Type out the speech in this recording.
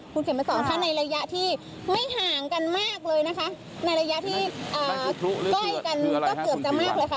คุณเข็มมาสอนค่ะในระยะที่ไม่ห่างกันมากเลยนะคะในระยะที่ใกล้กันก็เกือบจะมากเลยค่ะ